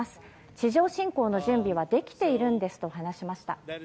地上侵攻の準備はできているんですと話しました。